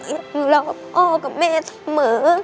ยังรอพ่อกับแม่เสมอ